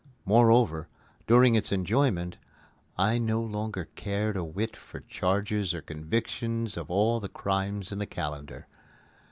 Moreover, during its enjoyment, I no longer cared a whit for charges or convictions of all the crimes in the calendar.